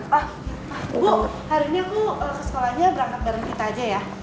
wah bu hari ini aku ke sekolahnya berangkat bareng kita aja ya